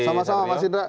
sama sama mas indra